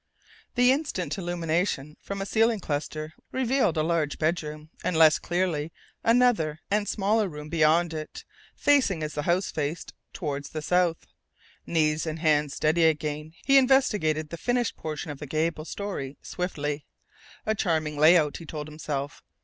The instant illumination from a ceiling cluster revealed a large bedroom, and less clearly, another and smaller room beyond it, facing as the house faced toward the south. Knees and hands steady again, he investigated the finished portion of the gabled story swiftly. A charming layout, he told himself.